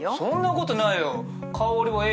そんなことないよ。